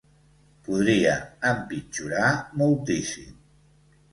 Podria empitjorar moltíssim